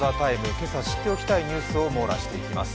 今朝知っておきたいニュースを網羅します。